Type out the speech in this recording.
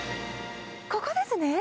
ここですね。